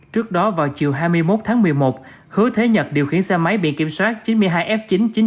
trước đó vào chiều hai mươi một tháng một mươi một hứa thế nhật điều khiển xe máy bị kiểm soát chín mươi hai f chín nghìn chín trăm hai mươi bốn